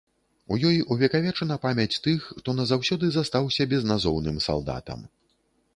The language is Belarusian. У ёй увекавечана памяць тых, хто назаўсёды застаўся безназоўным салдатам.